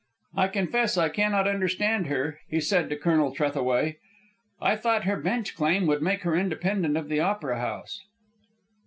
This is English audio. "I confess I cannot understand her," he said to Colonel Trethaway. "I thought her bench claim would make her independent of the Opera House."